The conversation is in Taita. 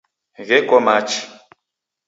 Gheko machi.